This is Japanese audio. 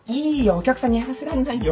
お客さんにやらせらんないよ。